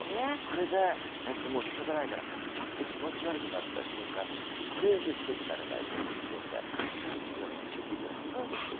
それでしかたないからちょっと気持ち悪くなった瞬間にこれ以上ひどくならないようにっていうんで近くの病院に救急病院に行くんですよ